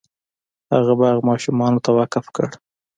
هغه باغ ماشومانو ته وقف کړ.